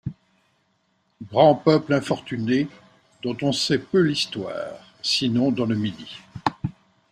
Grand peuple infortuné, dont on sait peu l'histoire, sinon dans le Midi.